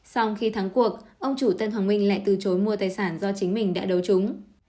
sau khi thắng cuộc ông chủ tân hoàng minh lại từ chối mua tài sản do chính mình đã đấu chúng